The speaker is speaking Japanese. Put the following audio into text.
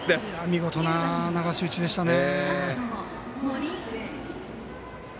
見事な流し打ちでしたね。